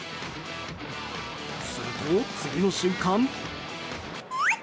すると、次の瞬間。